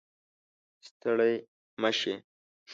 ستړي مه شئ